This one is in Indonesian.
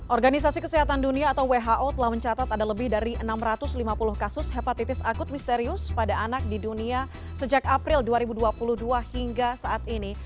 organisasi kesehatan dunia atau who telah mencatat ada lebih dari enam ratus lima puluh kasus hepatitis akut misterius pada anak di dunia sejak april dua ribu dua puluh dua hingga saat ini